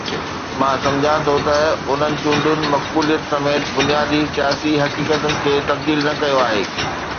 مان سمجهان ٿو ته انهن چونڊن مقبوليت سميت بنيادي سياسي حقيقتن کي تبديل نه ڪيو آهي.